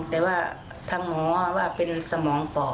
แต่ว่าทางหมอว่าเป็นสมองปอด